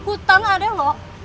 utang adek lo